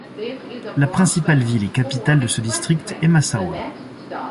La principale ville et capitale de ce district est Massaoua.